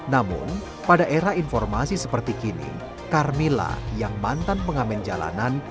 namun pada era informasi seperti kini carmila yang mantan pengamen jalanan